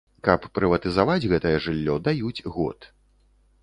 Каб прыватызаваць гэтае жыллё, даюць год.